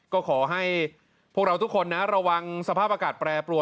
ก็ขอให้พวกเราทุกคนนะระวังสภาพอากาศแปรปรวน